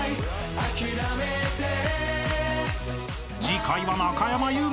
［次回は中山優